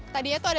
tadinya tuh ada